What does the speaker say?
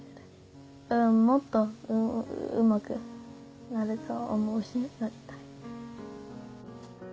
もっとうまくなると思うしなりたい。